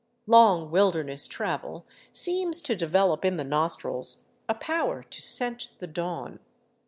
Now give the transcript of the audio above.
Long wilderness travel seems to develop in the nostrils a power to scent the dawn.